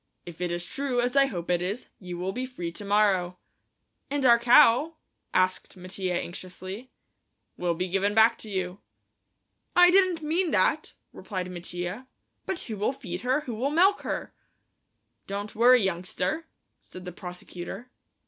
"If it is true, as I hope it is, you will be free to morrow." "And our cow?" asked Mattia anxiously. "Will be given back to you." "I didn't mean that," replied Mattia; "but who'll feed her, who'll milk her?" "Don't worry, youngster," said the prosecutor.